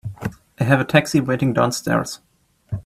I have a taxi waiting downstairs.